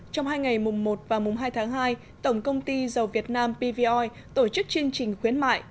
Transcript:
trong hai ngày mùng một và mùng hai tháng hai tổng công ty dầu việt nam pvoi tổ chức chương trình khuyến mại